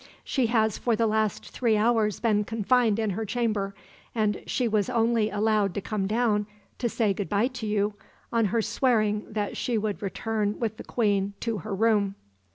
She has for the last three hours been confined in her chamber, and she was only allowed to come down to say goodbye to you, on her swearing that she would return with the queen to her room."